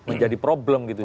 yang menjadikan masalah